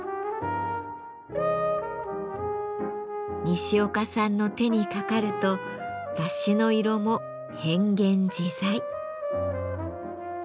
西岡さんの手にかかるとだしの色も変幻自在。